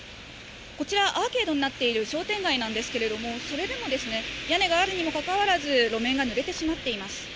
こちら、アーケードになっている商店街なんですけれども、それでも屋根があるにもかかわらず、路面がぬれてしまっています。